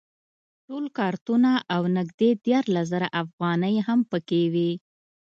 ټول کارتونه او نږدې دیارلس زره افغانۍ هم په کې وې.